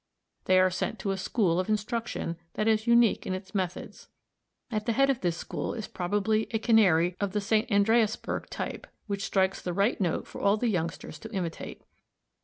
They are sent to a school of instruction that is unique in its methods. At the head of this school is probably a Canary of the St. Andreasberg type, which strikes the right note for all the youngsters to imitate.